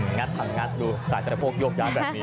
หงัดดูสายสานโคกยกย้ายแบบนี้